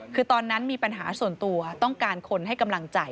คือตอนนั้นมีปัญหาส่วนตัวต้องการคนให้กำลังใจ